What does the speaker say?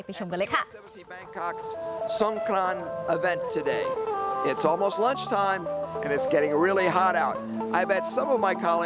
ชมกันเลยค่ะ